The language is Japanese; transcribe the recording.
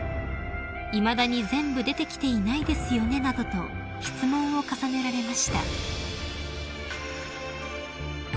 「いまだに全部出てきていないですよね」などと質問を重ねられました］